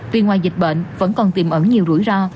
vì ngoài dịch bệnh vẫn còn tìm ở nhiều rủi ro